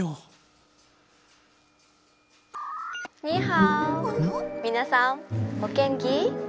「みなさんお元気？」。